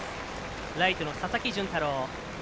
ライトの佐々木純太郎。